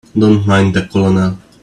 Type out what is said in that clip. Don't mind the Colonel.